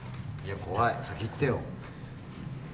怖い、先行ってよ。